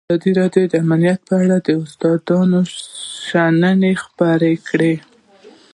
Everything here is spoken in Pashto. ازادي راډیو د امنیت په اړه د استادانو شننې خپرې کړي.